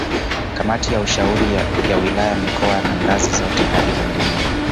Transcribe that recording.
Kamati ya ushauri ya wilaya mikoa na ngazi zote hadi bungeni